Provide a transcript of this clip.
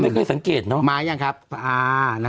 ไม่เคยสังเกตเนอะมายังครับอ่า